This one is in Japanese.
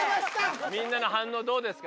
みんなの反応どうですか？